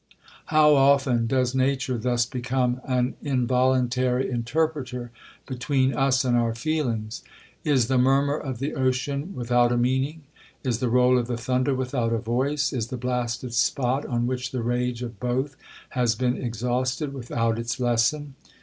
'How often does nature thus become an involuntary interpreter between us and our feelings! Is the murmur of the ocean without a meaning?—Is the roll of the thunder without a voice?—Is the blasted spot on which the rage of both has been exhausted without its lesson?